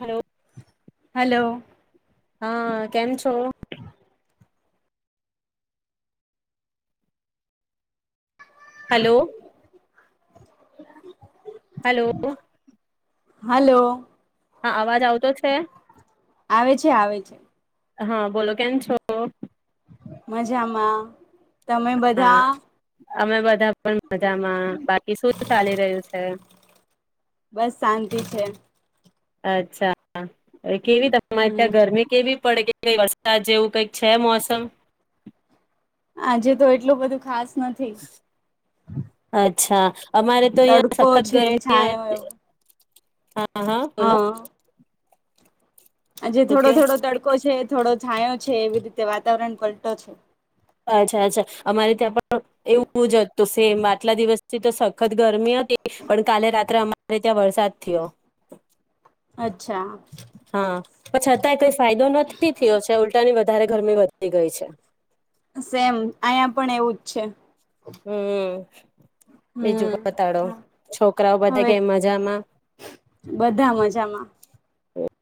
Hello hello. હા કેમ છો? હલો. હલો હલો હા અવાજ આવતો છે. આવે છે આવે છે. હા બોલો કેમ છો. મજામાં. તમે હા બધા અમે બધા પણ મજામાં બાકી શું ચાલી રહ્યું છે. બસ શાંતિ છે. અચ્છા. કેવી તમારે ત્યાં હમ ઘરમે કેવી પડ. ક વરસાદ જેવું કઈક છે મોસમ. આજે તો એટલું બધું ખાસ. નથી. અચ્છા. અમારે તો અહં તડકો સખત છે ગરમી. છાયો હા હા બોલો. આજે શું થોડો કેવ થોડો તડકો છે થોડો છાંયો. છે એવી રીતે વાતાવરણ પલટો છે. અચ્છા અચ્છા અમારે ત્યાં પણ. એવું જ હત તો સેમ આટલા દિવસ. ી તો સખત ગરમી હતી પણ કાલે રાત્રે અમારે ત્યાં વરસાદ થયો. અચ્છા. અચ્છા ત કઈ. ફાયદો નથી થયો છે ઉલટાનીી. વધારે ગરમી વધતી ગઈ છે. સેમ અહીયા પણ એવું જ છે. હમ બીજું પતાડો હમ છોકરાઓ બધા ક હવે મજામાં. બધા મજામાં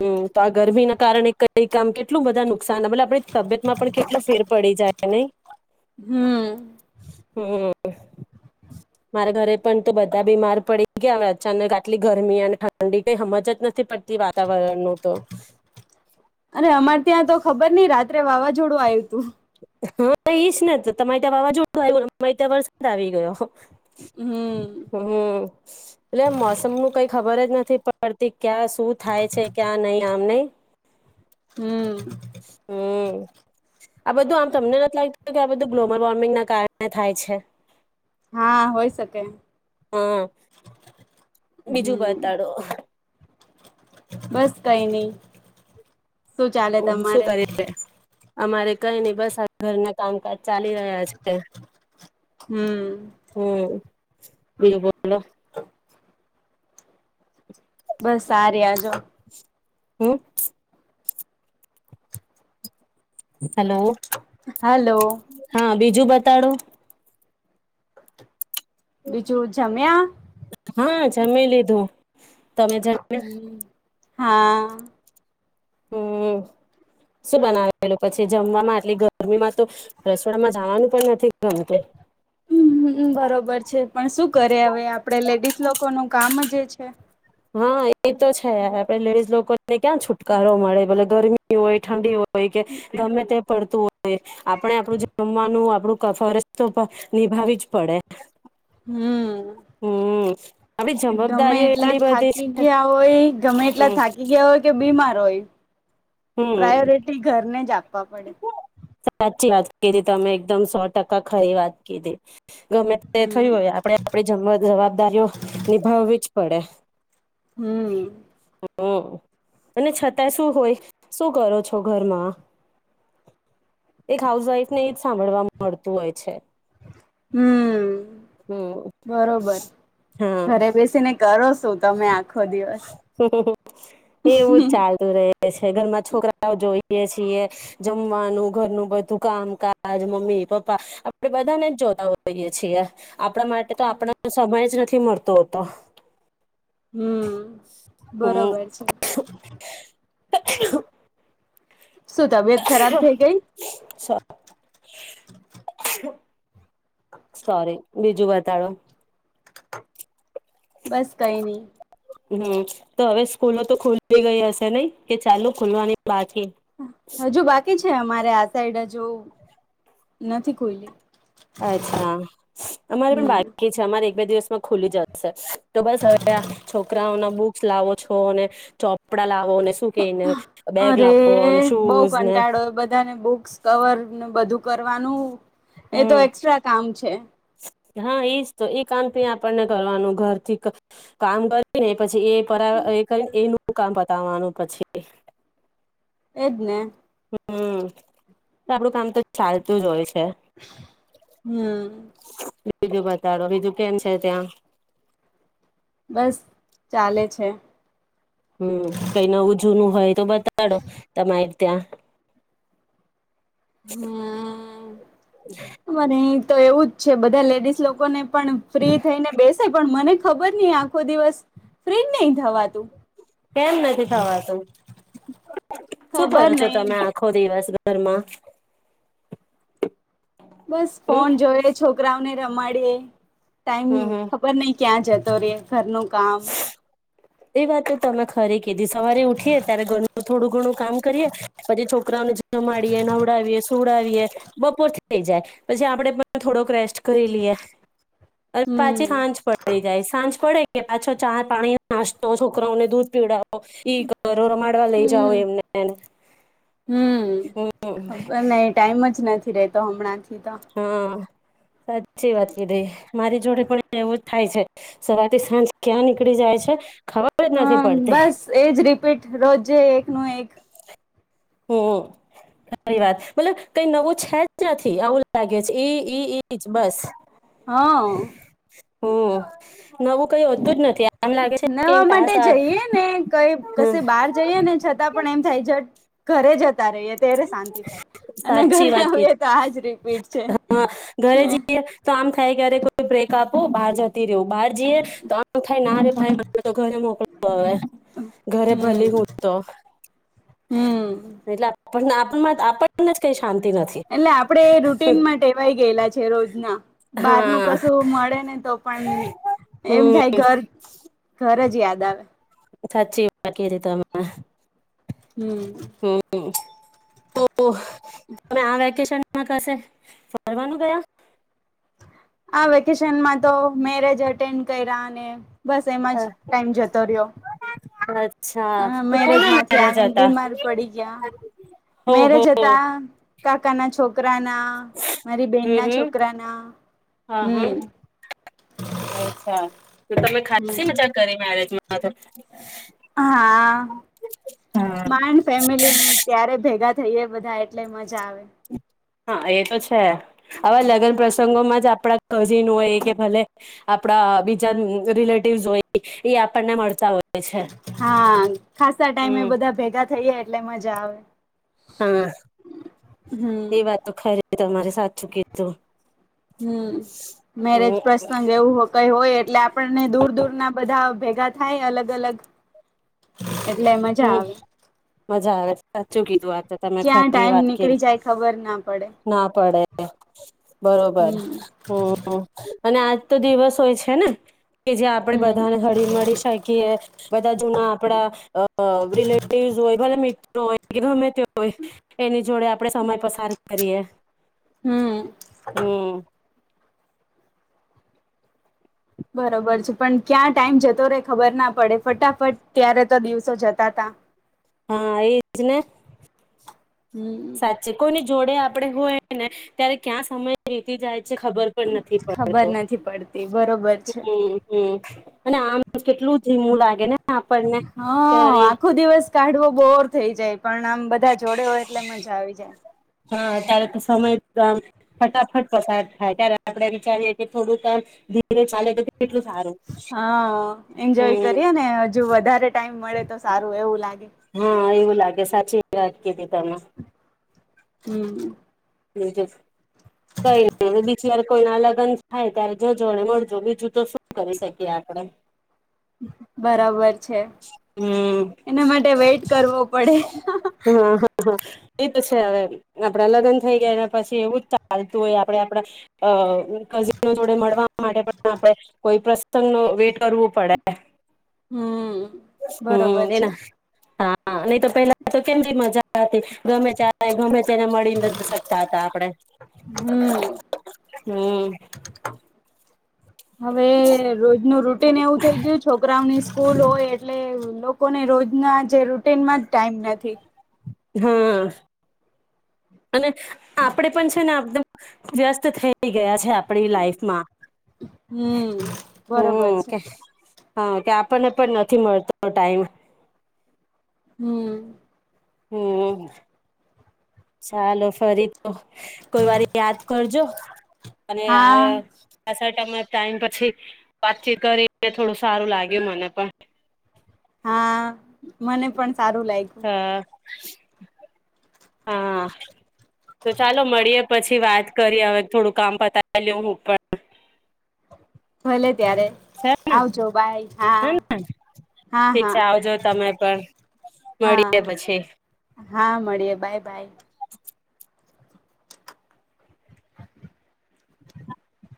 હમ તો આ ગરમી ના કારણે કઈ કામ કેટલું બધાનું. નુકસાનલે આપણી તબિયતમાં પણ કેટલી ફેર પડી જાય. એ ન. હમ. હમ. મારા ઘરે પણ તો બધા બીમાર પડી ગયા હ અચાનક આટલી ગરમી અને ઠંડી કઈ સમજ જ નથી પડતી વાતાવરણનું તો. અરે અમારે ત્યાં તો ખબર નહ રાત. વાવાઝોડું આવ્યું હતું. હા ઈશ ને તો તમારે ત્યાં વાવાઝોડું આવું અરે ત્યાં વરસાદ આવી ગયો. હમ હમ એટલે એમ મોસમ નું કઈ ખબર જ નથી. પ્રતીિક. ક્યાં શું થાય છે ક્યાં નહીિ આમને. હમ. હમ. આ બધું આમ તમને નથી [inaudible] કે આ બધું ગ્લોબલ વોર્મિંગના કારણે થાય છે. હા હોય શકે. હા બીજું હમ બતાડો બસ કઈ નહી. શું ચાલે શું તમારે? કરી અમારે કઈ નઈ, બસ આ ઘરના કામકાજ ચાલી રહ્યા છે. હમ. હમ [unintelligible] બોલો બસ સાર આ જોો. [unintelligible] [inaudible] હેલો. હલો હા બી હજુ બતાડો. બીજું જમ્યા? જમેી લીધું. તમે [unintelligible] હમ હા. હમ. શું બનાવેલું પછી જમવામાં આટલી ગરમીમાં તો રસવાડામાં જવાનું પણ નથી ગમતું. હમ બરોબર છે પણ શું કરે હવે આપડે લેડીઝ લોકોનું કામ જ એ છે. [inaudible] હા એ તો છે આપડે લેડીઝ લોકો ને ક્યાં છુટકારો મળે, ભલે ગરમી હોય, ઠંડી હોય હોય કે ગમે તે પડતું હોય. આપણે આપણું જમવાનું આપણું ફરજ તો નિભાવી જ પડે. હમ. હમ આપડી ગમે જવાબદારીઓ એટલા એટલી બધી થાકી છે ગયા હોય, ગમે એટલા હમ થાકી ગયા હોય કે બીમાર હોય. હમ પ્રાયોરિટી ઘરને જ આપવા પડે. સાચી વાત કીધી તમે એકદમ સો ટકા ખરી વાત કીધી. ગમે તે હમ થય હોય આપણે આપડી જ જવાબદારીઓ નિભાવવી જ પડે. હમ. હમ. અને છતાં શું હોય? શું કરો છો ઘરમાં? એક હાઉસ વાઈફ ને જ સાંભળવાવા મળતું હોય છે. હમ્મ. હમ બરોબર, હા ઘરે બેસી ને કરો શું તમે આખો દિવસ? એવું જ ચાલતું રહે છે, ઘરમાં છોકરાઓ જોઈ જોઈએ છીએ, જમવાનું, ઘરનું બધું કામકાજ, મમ્મી, પપ્પા આપડે બધાને જ જોતા હોઈએ છીએ. આપણા માટે તો આપણા સમય જ નથ મળતો હતો. હમ્મ. બરોબર છે. શું તબિયત ખરાબ થઈ ગઈ? [inaudible] સોરી. બીજું બતાવે. બસ કઈ નઈ. હમ તો હવે સ્કૂલો તો ખુલી ગઈ હશે નઈ, કે ચાલુ ખુલવાની બાક હા હજુ બાકી છે, અમારે આ સાઈડ હજી હજુ નથી ખોઈલી. અચ્છા અમારે પણ હમ્મ બાકી છે, અમારે બે દિવસમાં ખુલી જશે, તો બસ હવે અ છોકરાઓના બુક્સ લાવો છો ને ચોપડા લાવો ને શું કેને બેગ અરે લાવો અને બો શૂઝ ને કંટાળો બધાને બુક્સ કવરને બધું કરવાનું. એ તો હમ એક્સ્ટ્રા કામ છે. હા એજ તો એ કામ પણ આપણને કરવાનું ઘરથી કામ કામ કરીને પછી, એ [unintelligible] એનું કામ પતાવાનું પછી. એ જ ને. હમ્મ તો આપડું કામ તો ચાલતું જ હોય છે. હમ્મ. બીજું બતાડો બીજું કેમ છે, ત્યાં? બસ ચાલે છે. હમ કઈ નવું જૂનું હોય તો બતાડો તમારી ત્યાં હમ્મ મને એ જ તો એવું જ છે, બધા લેડીઝ લોકો ને પણ ફ્રી થઈ ને બેસે પણ, મનેજ ખબર નહી આખો દિવસ ફ્રી જ નહી થવાતું. કેમ નથી થવાત શું ખબર કરો છો? નહી તમે આખો દિવસ ઘરમાં. બસ હમ ફોન જોડે છોકરાઓને રમાડીએ. ટાઈમ હમ હમ ખબર નહી ક્યાં જતો રેય. ઘરનુ કામ એ વાત તો‌ તમે ખરે કીધી સવારે ઉઠીએ ત્યારે ગર થોડું ઘણું કામ કરીએ પછી છોકરાઓને જમાડીએ, નવડાવીએ, સુવડાવીએ બપોર થઈ જાય પછી આપણેે પણ થોડોક રેસ્ટ કરી લઈએ. અ પાછી હમ સાંજ પડી જાય, સાંજ પડે કે પાછો ચા પાણી નાસ્તો છોકરાઓને દૂધ પીવડાવો. ગ ઈ કરો રમાડવા લઈ જાય એમને. હમ્મ હમ ખબર નઇ ટાઈમ જ નથી. રેતો હમણાં જ હા. સાચી વાત કીધી, મારી જોડે પણ એવું જ થાય છે. સવાથી સાંજ ક્યાં નીકળી જાય છે ખબર જ હા નથી પડતી બસ એજ રીપીટ રોજે એકનું એક. હમ્મ સારી વાત મતલબ કઈ નવું છે જ નથી આવું લાગે છે. ઈ ઈ ઈ જ બસ. હા. હ નવું કઈ હોતું જ નથી આમ લાગે છે કે નવા માટે ટાસ્ક આ જઈએ ને કઈ કશે હમ બહાર જઈએ ને છત છતાં પણ એમ થાય છે. ઘરે જ જતા રહીએ ત્યારે શાંતિ થાય અને સાચી ઘરે વાત હોઈએ કીધી તો આજ રિપીટ છે હા ઘરે હ. જઈએ તો આમ થાય ક્યારે બ્રેક આપું બહાર જતી રેવું બહાર જઈએ તો આઉ થાય ના રે ભાઈ મને તો ઘરે મોકલો. [unintelligible] ઘરે હમ ભલી હું તો હમ એટલા પણ ‍આપમાં આપણને જ કઈ શાંતિ નથી એટલે આપડે રૂટીનમાં ટેવાય ગયેલા છે. રોજના બહાર ન હા કશું મળે ને તો પણ એમ હમ થાય ઘર ઘર જ યાદ આવે. સાચી વટ કરી તમે. હમ હમ્મ તો તમે આ વેકેશન માં કશે ફરવાનું કયા આ વેકેશનમાં તો મેરેજ અટેન્ડ કર્યા ને બસ એમાં જ ટાઈમ જતો રહ્યો. હ. મેરેજ માંથી આવીને બીમાર પડી ગયા હો હો મેરેજ હતા કાકા ના છોકરી હમ હમ છોકરાના હા હમ હ અચ્છા તો તમે ખાસી હમ મજા કરી મેરેજમાં [unintelligible] હા મા ફેમિલી ત્યારે ભેગા થઈએ બધા એટલે મજા જાવે. હા એ તો છે હવે લગ પ્રસંગોમાં જ આપણા કઝિન હોય કે ભલે આપડા બીજા રિલેટિવસ હોય એ આપણને મળતા હોય. છે. હા ખાસા ટાઈમે હમ બધા ભેગા થઈએ એટલે મજા આવે. હા હમ એ વાતો ખરી. તમારી સાચું કીધુ હમ મેરેજ પ્રસંગ એવું કઈ હોય એટલે આપણને દૂર દૂર ના બધા ભેગાં થાય અલગ અલગ એ હમ મજા આવે સાચું કીધું વાત તો તમે ક્યાં ખરી ટાઈમ વાત કરી નીકળી જાય ખબર ના પડે ના પડે બરોબર હમ હમ અને આ તો દિવસ હોય છે ને કે જે આપણે બધાને હમ હળી મળી શકીએ બધા જૂના આપડા અ રિલેટિવસ હોય ભલે મિત્રો હોય કે ગમે તે હોય એની જોડે આપણે સમય પસાર કરીએ. હમ હમ બરોબર છે પણ ક્યાં ટાઈમ જતો રહેે ખબર ના પડે ફટાફટ ત્યારે તો દિવસો જતા તા હા એજ ને. હમ સાચી કોઈની જોડે આપડે હોય ને ત્યારે ક્યાં સમય વીતી જાય છે ખબર પણ નથી ખબર પડતો નથી પડતી બરોબર છે. હમ હમ અને આમ કેટલું ધીમું લાગે ને. આપણને હ ત્યારે આખો દિવસ કાઢવો બોર. થઈ જાય. પણ આમ બધા જોડે હોય એટલે મજા આવી હા ત્યારે તો જાય. સમય આમ ફટાફટ પસાર થાય ત્યારે આપડે વિચારીએ કે થોડું કામ ધીરે ચાલે તો કેટલું સારું હા એન્જોય હમ કરીએ ને હજુ વધારે ટાઈમ મળે. તો સારું એવું લાગે. હં એવું લાગે સાચી વાત કીધી તમે. હમ. બીજું કઈ નહી બીજી વાર કોઈ ના લગ્ન થાય ત્યારે જોજો અને મળજો બીજું તો શું કરી શકીએ આપડે. બરાબર છે હમ એના માટે વેઇટ કરવો પડે. હા હા એ તો છે હવે ને આપડા લગન થઈ ગયા પછી એવું જ ચાલતું હોય આપે આપણા કઝીનો જોડે મળવા માટે પણ આપણે કોઈ પ્રસંગ નો વેટ કરવો પડે. હમ બરોબર હમ એના છે. હા નહી તો પેલા તો કેમ મજા હતી ગમે ત ગમે તેને મળ તા હતા આપડે હમ હમ. હવે રોજ ન રોટ એવું થઈ ગયું છોકરા સ્કૂલ હોય એટલે લોકોને રોજના જે રૂટીનમાં જ ટાઈમ નથી. હમ્મ. અને આપણેે પણ છે ને આદમ વ્યસ્ત થઈ ગયા છે આપણી લાઈફમાં. હમ બરોબર હમ છે. કે હા કે આપણને પણ નથી મળતો ટાઈમ. હમ. હમ ચાલો ફરી. કોઈ વાર યાદ કરજો અને આ હા ટાઈમ પછી વાતચીત કરી થોડું સારું લાગ્યું મને પણ. હા મને પણ સારું લાગ્યું. હા. તો ચાલો મળીએે. પછી વાત કરી હવે થોડું કામ પતાઈ લેઉ હું પણ. ભલે ત્યારે છે ને આવજો બાય હે ને ઠીક હા-હા છે આવજો તમે પણ હા મળીએ પછી. હા હા મળીએે બાય બાય [inaudible]